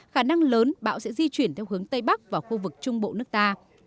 khả năng lớn bão sẽ di chuyển theo hướng tây bắc vào khu vực trung bộ nước ta